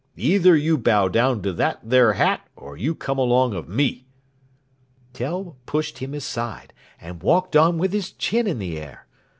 Either you bow down to that there hat or you come along of me." Tell pushed him aside, and walked on with his chin in the air.